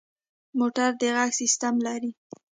موټر د غږ سیسټم لري.